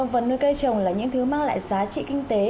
vườn cây trồng là những thứ mang lại giá trị kinh tế